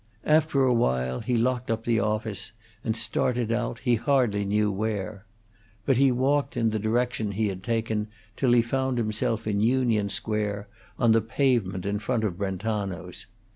After a while he locked up the office and started out, he hardly knew where. But he walked on, in the direction he had taken, till he found himself in Union Square, on the pavement in front of Brentano's.